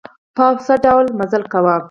په اوسط ډول مزل کاوه.